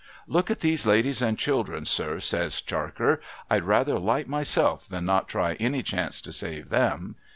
' Look at these ladies and children, sir !' says Charker. ' I'd sooner light myself, than not try any chance to save them.'